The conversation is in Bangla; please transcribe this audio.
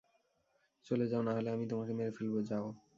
চলে যাও, নাহলে আমি তোমাকে মেরে ফেলবো, যাও!